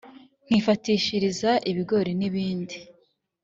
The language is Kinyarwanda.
Nkifatishiriza ibigori nibindi